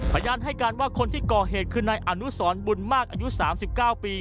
พยานให้การว่าคนที่ก่อเหตุคือนายอนุสรบุญมากอายุ๓๙ปี